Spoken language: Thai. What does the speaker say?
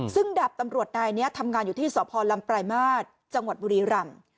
ซึ่งดาบตำรวจนายนี้ทำงานอยู่ที่สพลำปลายมาตรจังหวัดบุรีรำ